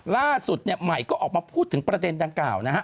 ล่าสุดเนี่ยใหม่ก็ออกมาพูดถึงประเด็นดังกล่าวนะฮะ